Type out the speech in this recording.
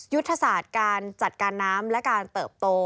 ยุทธศาสตร์การจัดการน้ำและการเติบโต